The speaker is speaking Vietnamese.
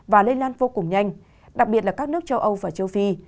và lây lan vô cùng nhanh đặc biệt là các nước châu âu và châu phi